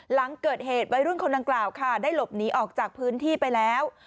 หลังเกิดเหตุวัยรุ่นคนดังกล่าวค่ะได้หลบหนีออกจากพื้นที่ไปแล้ว